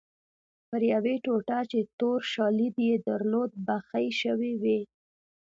پر یوې ټوټه چې تور شالید یې درلود بخۍ شوې وې.